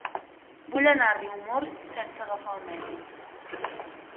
Vull anar a Riumors sense agafar el metro.